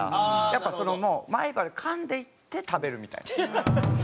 やっぱそのもう前歯でかんでいって食べるみたいな。